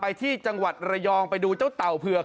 ไปที่จังหวัดระยองไปดูเจ้าเต่าเผือก